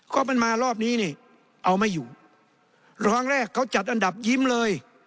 ก็มันมารอบนี้นี่เอาไม่อยู่ร้องแรกเขาจัดอันดับยิ้มเลย